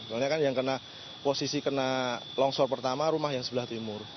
soalnya kan yang kena posisi kena longsor pertama rumah yang sebelah timur